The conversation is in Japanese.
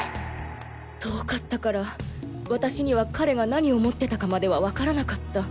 遠かったから私には彼が何を持ってたかまでは分からなかった。